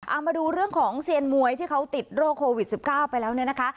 เอามาดูเรื่องของเซียนมวยที่เขาติดโรคโควิด๑๙ไปแล้วเนี่ยนะคะ